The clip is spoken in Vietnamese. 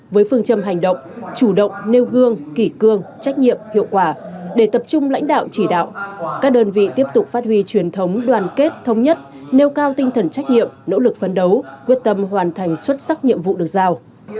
với phương châm hành động chủ động nêu gương kỷ cương trách nhiệm hiệu quả để tập trung lãnh đạo chỉ đạo các đơn vị tiếp tục phát huy truyền thống đoàn kết thống nhất nêu cao tinh thần trách nhiệm nỗ lực phấn đấu quyết tâm hoàn thành xuất sắc nhiệm vụ được giao